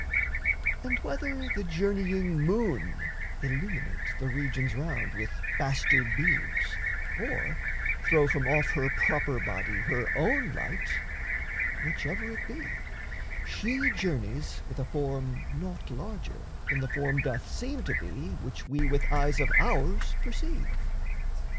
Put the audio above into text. And whether the journeying moon illuminate The regions round with bastard beams, or throw From off her proper body her own light, Whichever it be, she journeys with a form Naught larger than the form doth seem to be Which we with eyes of ours perceive.